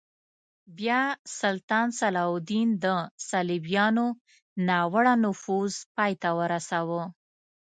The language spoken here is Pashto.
بیا سلطان صلاح الدین د صلیبیانو ناوړه نفوذ پای ته ورساوه.